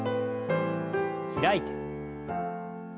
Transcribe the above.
開いて。